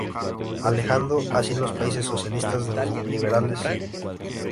Alejando así los países socialistas de los liberales.